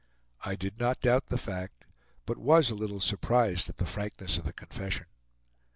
I did not doubt the fact, but was a little surprised at the frankness of the confession.